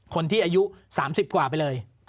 คนที่อายุ๓๐กว่าไปเลย